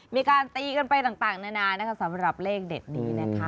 มีการตีกันไปต่างนานานะคะสำหรับเลขเด็ดนี้นะคะ